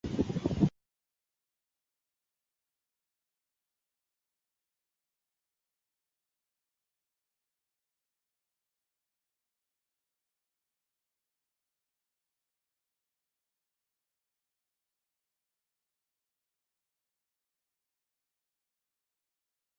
广阔的厄索斯大陆位于狭海对岸以东。